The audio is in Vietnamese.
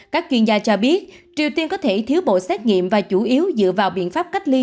các chuyên gia cho biết triều tiên có thể thiếu bộ xét nghiệm và chủ yếu dựa vào biện pháp cách ly